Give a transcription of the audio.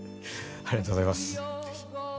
ありがとうございますぜひ。